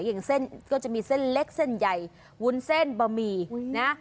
อย่างเส้นก็จะมีเส้นเล็กเส้นใหญ่วุ้นเส้นบะหมี่นะ